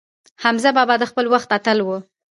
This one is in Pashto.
حمزه بابا د خپل وخت اتل و.